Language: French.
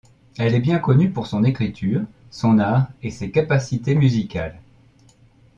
Elle est bien connue pour son écriture, son art et ses capacités musicales.